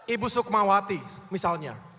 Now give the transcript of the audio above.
ibu sukmawati misalnya